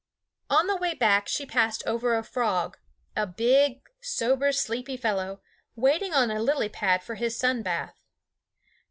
On the way back she passed over a frog, a big, sober, sleepy fellow, waiting on a lily pad for his sun bath.